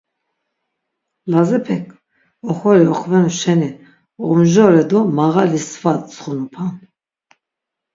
Lazepek oxori oxvenu şeni omjore do mağali sva tsxunupan.